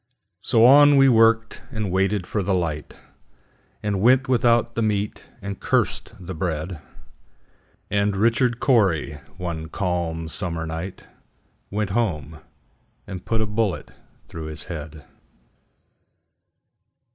So on we worked, and waited for the light, And went without the meat, and cursed the bread; And Richard Cory, one calm summer night, Went home and put a bullet through his head.